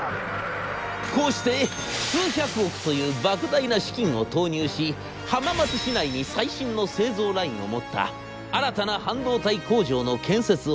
こうして数百億というばく大な資金を投入し浜松市内に最新の製造ラインを持った新たな半導体工場の建設を決定。